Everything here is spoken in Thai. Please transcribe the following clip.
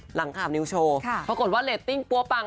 หลังขอบนิวโชว์